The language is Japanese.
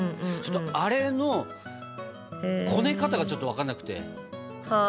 あれのこね方がちょっと分かんなくて。